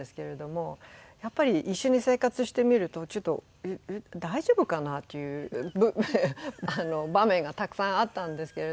やっぱり一緒に生活してみるとちょっと大丈夫かな？っていう場面がたくさんあったんですけれども。